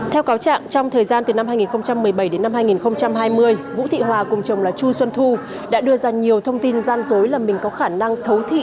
theo cáo trạng trong thời gian từ năm hai nghìn một mươi bảy đến năm hai nghìn hai mươi vũ thị hòa cùng chồng là chu xuân thu đã đưa ra nhiều thông tin gian dối là mình có khả năng thấu thị